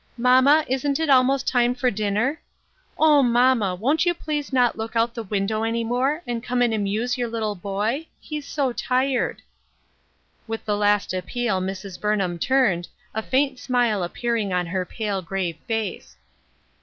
Mamma, isn't it almost time for dinner ? O, mamma ! won't you please not look out the window any more, and come and amuse your little boy ? he's so tired !" With the last appeal Mrs. Burnham turned, a faint smile appearing on her pale, grave face.